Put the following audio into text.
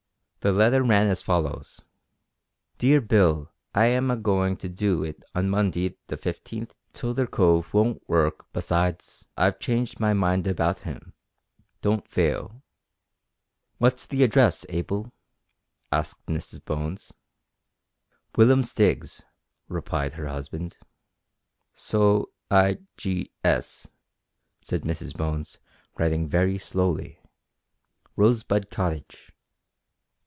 The letter ran as follows: "Deer bil i am a goin to doo it on mundy the 15th tother cove wont wurk besides Iv chaningd my mind about him. Don't fale." "What's the address, Abel?" asked Mrs Bones. "Willum Stiggs," replied her husband. "So i g s," said Mrs Bones, writing very slowly, "Rosebud Cottage."